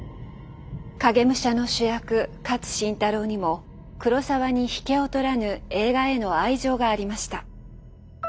「影武者」の主役勝新太郎にも黒澤に引けを取らぬ映画への愛情がありました。